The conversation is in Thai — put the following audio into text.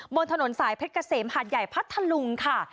มนต์ถนนสายเพชรกะเสมหาดใหญ่พัทลุงค่ะ